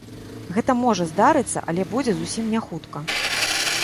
Гэта можа здарыцца, але будзе зусім не хутка.